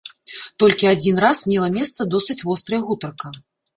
Толькі адзін раз мела месца досыць вострая гутарка.